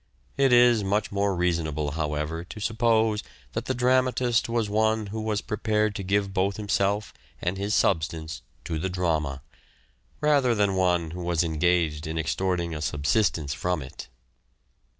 It is much more reasonable, however, to suppose that the dramatist was one who was prepared to give both himself and his substance to the drama, rather than one who was engaged in extorting a subsistence from it.